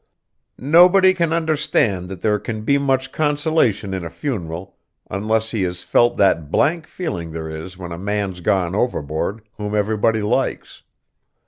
Nobody can understand that there can be much consolation in a funeral, unless he has felt that blank feeling there is when a man's gone overboard whom everybody likes.